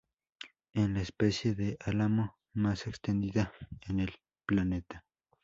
Es la especie de álamo más extendida en el planeta.